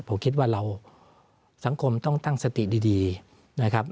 ผมคิดว่าเราสังคมต้องตั้งสติดีนะครับ